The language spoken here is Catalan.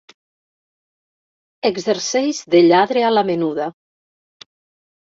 Exerceix de lladre a la menuda.